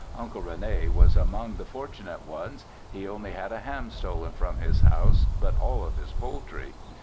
Uncle Rene was among the fortunate ones; he only had a ham stolen from his house but all of his poultry.